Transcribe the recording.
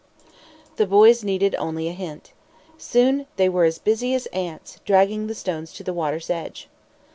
The boys needed only a hint. Soon they were as busy as ants, dragging the stones to the water's edge.